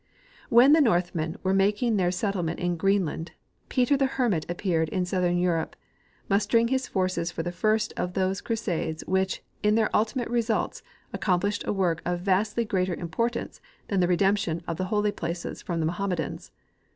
When the Northmen were making their settlement in Green land, Peter the Hermit appeared in southern Europe, mus tering his forces for the first of those crusades which in their ultimate results accomplished a work of vastly greater imj^or tance than the redemption of the holy places from the Mo hammedans.